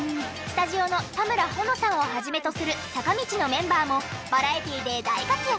スタジオの田村保乃さんを始めとする坂道のメンバーもバラエティで大活躍。